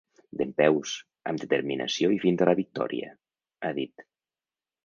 Dempeus, amb determinació i fins a la victòria, ha dit.